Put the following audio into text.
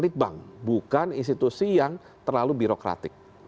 tapi menonjolkan litbank bukan institusi yang terlalu birokratik